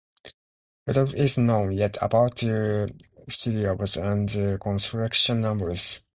Little is known yet about their serials and construction numbers.